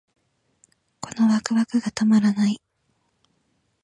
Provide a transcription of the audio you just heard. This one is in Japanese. このワクワクがたまらない